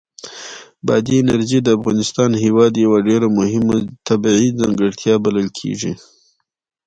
بادي انرژي د افغانستان هېواد یوه ډېره مهمه طبیعي ځانګړتیا بلل کېږي.